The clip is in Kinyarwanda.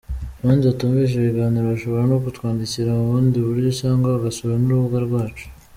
Abandi batumvise ibiganiro bashobora no kutwandikira mu bundi buryo cyangwa bagasura n’urubuga rwacu.